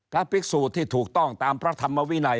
พระภิกษุที่ถูกต้องตามพระธรรมวินัย